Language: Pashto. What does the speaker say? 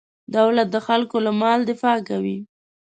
دولت د خلکو له مال دفاع کوي.